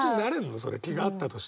それ気が合ったとしても。